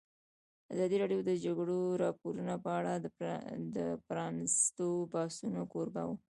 ازادي راډیو د د جګړې راپورونه په اړه د پرانیستو بحثونو کوربه وه.